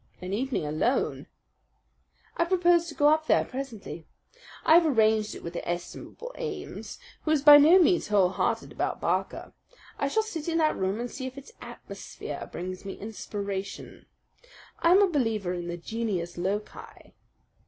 "An evening alone!" "I propose to go up there presently. I have arranged it with the estimable Ames, who is by no means wholehearted about Barker. I shall sit in that room and see if its atmosphere brings me inspiration. I'm a believer in the genius loci.